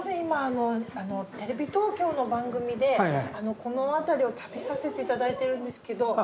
今テレビ東京の番組でこの辺りを旅させていただいてるんですけど。